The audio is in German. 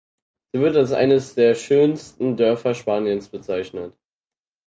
Sie wird als eines der schönsten Dörfer Spaniens bezeichnet.